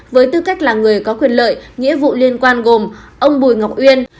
với tư cách là người có quyền lợi nghĩa vụ liên quan gồm ông bùi ngọc uyên